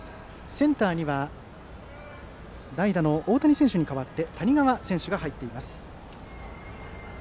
センターに代打の大谷選手に代わって谷川選手が入っています。